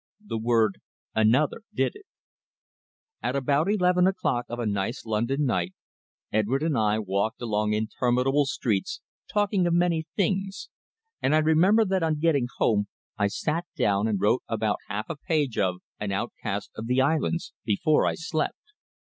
The word "another" did it. At about eleven o'clock of a nice London night, Edward and I walked along interminable streets talking of many things, and I remember that on getting home I sat down and wrote about half a page of "An Outcast of the Islands" before I slept.